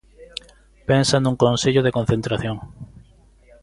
Pensa nun consello de concentración.